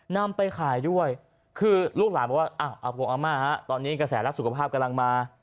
นำไปขายด้วยคือลูกหลานบอกว่าอาม่าฮะตอนนี้กระแสรักสุขภาพกำลังมา